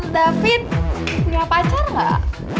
david punya pacar gak